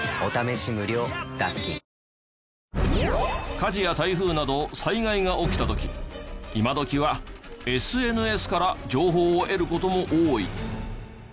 火事や台風など災害が起きた時今どきはＳＮＳから情報を得る事も多い。